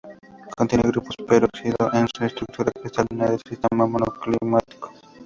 Contiene grupos peróxido en su estructura cristalina del sistema monoclínico.